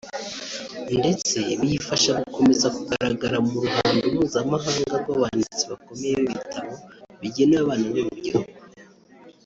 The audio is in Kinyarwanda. ndetse biyifasha gukomeza kugaragara mu ruhando mpuzamahanga rw’abanditsi bakomeye b’ibitabo bigenewe abana n’urubyiruko